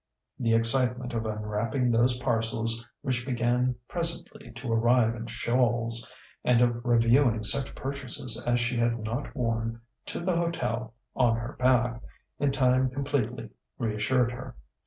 The excitement of unwrapping those parcels which began presently to arrive in shoals, and of reviewing such purchases as she had not worn to the hotel on her back, in time completely reassured her.